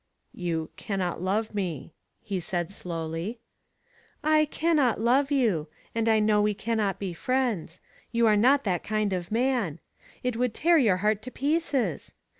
*' "You cannot love me," he said slowly. I cannot love you — and I know we cannot be friends. You are not that kind of man. It would tear your heart to pieces.